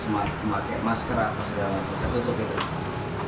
memakai masker apa segala macam tertutup gitu